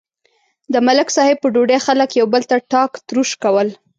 د ملک صاحب په ډوډۍ خلک یو بل ته ټاک تروش کول.